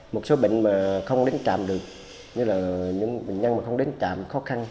một số bệnh mà không đến trạm được như là những bệnh nhân mà không đến trạm khó khăn